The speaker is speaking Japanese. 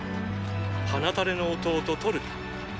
鼻たれの弟トルタ。